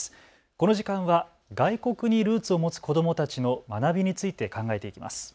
この時間は外国にルーツを持つ子どもたちの学びについて考えていきます。